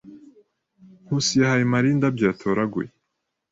Nkusi yahaye Mariya indabyo yatoraguye.